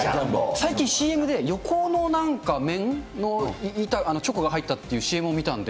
最近ＣＭで、横のなんか、面？の板、チョコが入ったっていうＣＭを見たんで。